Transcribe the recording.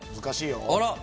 あら？